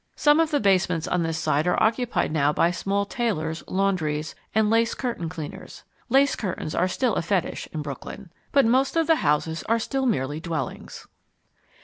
Some of the basements on this side are occupied now by small tailors, laundries, and lace curtain cleaners (lace curtains are still a fetish in Brooklyn), but most of the houses are still merely dwellings.